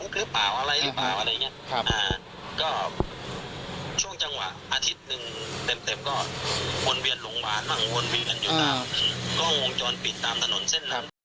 เขาฮือ